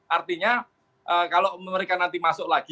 artinya kalau mereka nanti masuk lagi